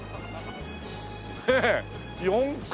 ねえ４階